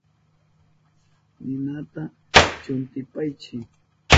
Ninata chuntipaychi.